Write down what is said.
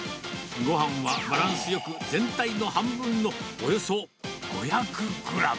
ごはんはバランスよく、全体の半分のおよそ５００グラム。